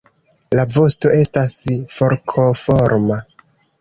La vosto estas forkoforma.